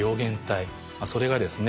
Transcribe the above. それがですね